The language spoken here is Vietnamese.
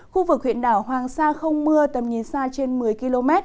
khu vực huyện đảo hoàng sa không mưa tầm nhìn xa trên một mươi km